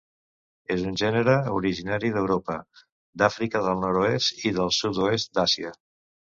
És un gènere originari d'Europa, d'Àfrica del nord-oest i del sud-oest d'Àsia.